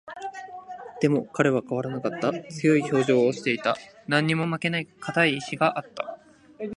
でも、彼は変わらなかった。強い表情をしていた。何にも負けない固い意志があった。